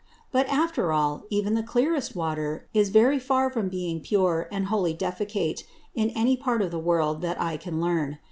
But after all, even the clearest Water is very far from being pure and wholly defecate, in any part of the World that I can learn.